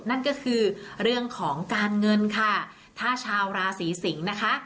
นั่นก็คือเรื่องของการเงินค่ะถ้าชาวราศีสิงศ์นะคะ